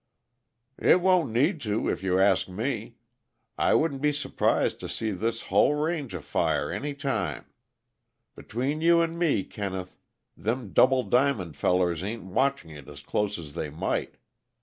"It won't need to, if you ask me. I wouldn't be su'prised to see this hull range afire any time. Between you an' me, Kenneth, them Double Diamond fellers ain't watching it as close as they might.